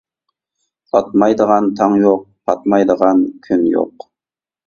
ئاتمايدىغان تاڭ يوق، پاتمايدىغان كۈن يوق.